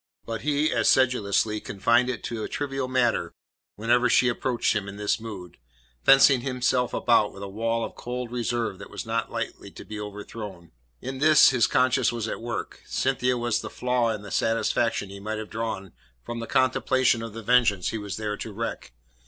But he as sedulously confined it to trivial matter whenever she approached him in this mood, fencing himself about with a wall of cold reserve that was not lightly to be overthrown. In this his conscience was at work. Cynthia was the flaw in the satisfaction he might have drawn from the contemplation of the vengeance he was there to wreak.